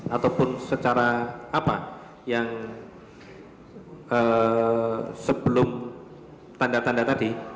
ataupun secara apa yang sebelum tanda tanda tadi